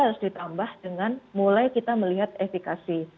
harus ditambah dengan mulai kita melihat efikasi